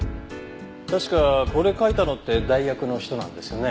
確かこれ描いたのって代役の人なんですよね？